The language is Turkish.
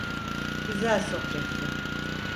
Güzel sohbetti.